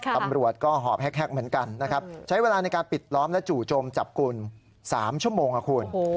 ตำรวจก็หอบแฮกเหมือนกันนะครับใช้เวลาในการปิดล้อมและจู่โจมจับกลุ่ม๓ชั่วโมงครับคุณ